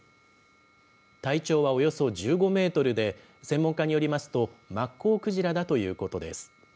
体長はおよそ１５メートルで、専門家によりますと、マッコウクジラだということです。